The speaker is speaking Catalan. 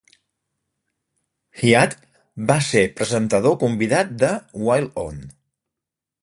Hiatt va ser presentador convidat de Wild On!